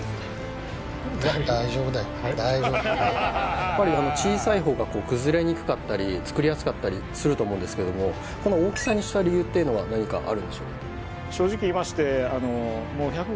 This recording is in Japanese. やっぱり小さい方が崩れにくかったり作りやすかったりすると思うんですけどもこの大きさにした理由っていうのは何かあるんでしょうか？